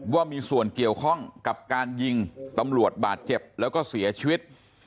ว่ามีส่วนเกี่ยวข้องกับการยิงตำรวจบาดเจ็บแล้วก็เสียชีวิต